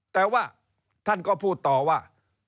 แต่ว่าท่านก็พูดต่อว่า